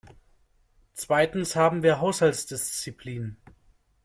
Zweitens haben wir Haushaltsdisziplin.